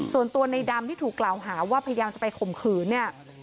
ส่วนตัวในดำที่ถูกกล่าวหาว่าพยายามจะไปข่มขืนเนี่ย